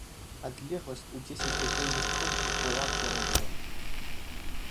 Адлегласць у дзесяць пякельных крокаў была перад ёю.